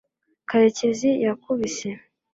karekezi yakubise